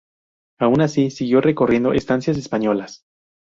Aun así, siguió recorriendo estancias españolas.